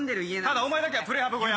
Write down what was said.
ただお前だけはプレハブ小屋！